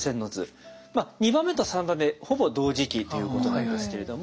２番目と３番目ほぼ同時期ということなんですけれども。